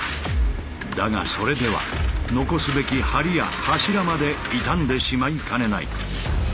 だがそれでは残すべき梁や柱まで傷んでしまいかねない。